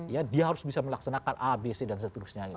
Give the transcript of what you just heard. ya dia harus bisa melaksanakan abc dan seterusnya gitu